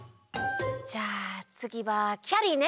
じゃあつぎはきゃりーね。